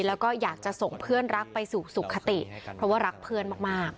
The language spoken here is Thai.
แล้วก็อยากจะส่งเพื่อนรักไปสู่สุขติเพราะว่ารักเพื่อนมาก